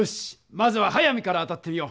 まずは速水から当たってみよう。